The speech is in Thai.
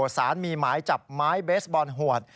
สารมีหมายจับไม้เบสบอลหวด